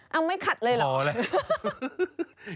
เอาไม่ขัดเลยเหรอ